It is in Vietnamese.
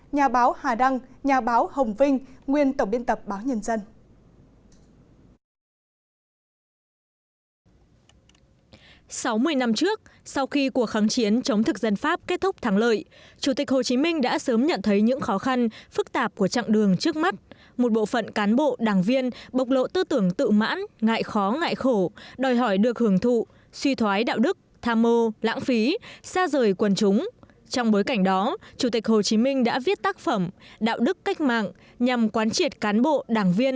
nhà báo hà đăng nhà báo hồng vinh nguyên tổng biên tập báo nhân dân